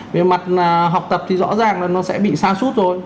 về mặt học tập thì rõ ràng là nó sẽ bị sa sút rồi